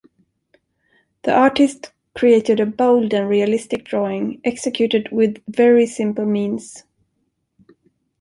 The artist created a bold and realistic drawing, executed with very simple means.